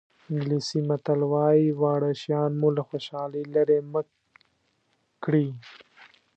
انګلیسي متل وایي واړه شیان مو له خوشحالۍ لرې مه کړي.